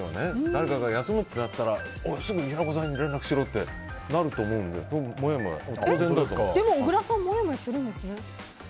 誰かが休むとなったらすぐ平子さんに連絡しろってなると思うのででも小倉さんもやもやするんですね。